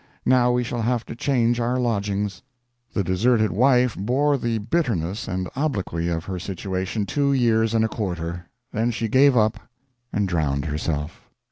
Now we shall have to change our lodgings." The deserted wife bore the bitterness and obloquy of her situation two years and a quarter; then she gave up, and drowned herself.